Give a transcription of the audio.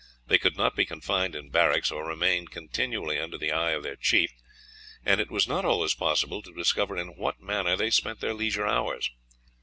They could not be confined in barracks, or remain continually under the eye of their chief, and it was not always possible to discover in what manner they spent their leisure hours.